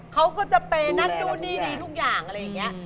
เขาก็จะไปนัดดูดีทุกอย่างอะไรอย่างเงี้ย